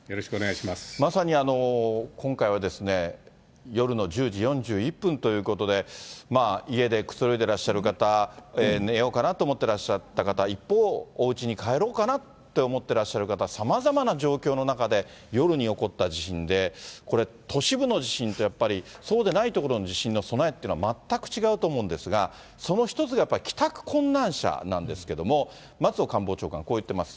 まさに今回はですね、夜の１０時４１分ということで、家でくつろいでらっしゃる方、寝ようかなと思ってらっしゃった方、一方、おうちに帰ろうかなって思ってらっしゃる方、さまざまな状況の中で、夜に起こった地震で、これ、都市部の地震ってやっぱりそうでない所の地震の備えっていうのは、全く違うと思うんですが、その一つがやっぱり帰宅困難者なんですけども、松野官房長官はこう言ってます。